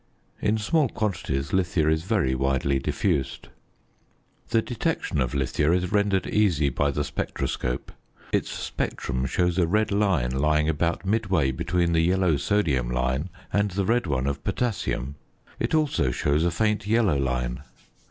In small quantities, lithia is very widely diffused. The ~Detection~ of lithia is rendered easy by the spectroscope; its spectrum shows a red line lying about midway between the yellow sodium line and the red one of potassium. It also shows a faint yellow line.